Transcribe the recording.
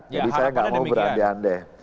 jadi saya tidak mau berande ande